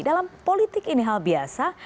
dalam politik ini hal biasa